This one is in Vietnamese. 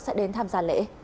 sẽ đến tham gia lễ